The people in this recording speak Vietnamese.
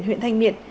huyện thanh miện